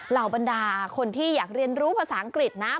เหล่าบรรดาคนที่อยากเรียนรู้ภาษาอังกฤษนะ